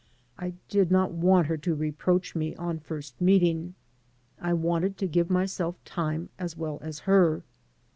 I did not want her to r^roach me on first meeting. I wanted to give myself time as well as her.